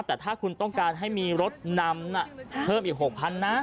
แต่ถ้าคุณต้องการให้มีรถนำเพิ่มอีก๖๐๐๐นะ